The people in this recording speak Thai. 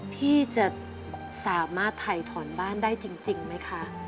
พี่จะสามารถถ่ายถอนบ้านได้จริงไหมคะ